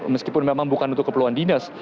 meskipun memang bukan untuk keperluan dinas